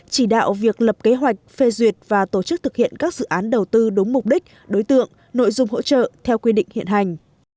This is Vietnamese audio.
chỉ đạo việc lập kế hoạch phê duyệt và tổ chức thực hiện các dự án đầu tư đúng mục đích đối tượng nội dung hỗ trợ theo quy định hiện hành